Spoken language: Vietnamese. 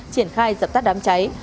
triển khai dập tắt đám cháy